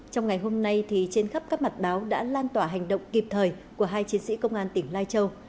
trong ngày hôm nay trên khắp các mặt báo đã lan tỏa hành động kịp thời của hai chiến sĩ công an tỉnh lai châu